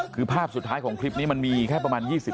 คือภาพสุดท้ายของคลิปนี้มันมีแค่ประมาณ๒๐